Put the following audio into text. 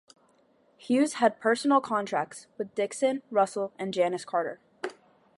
Hughes had personal contracts with Dixon, Russell, and Janis Carter.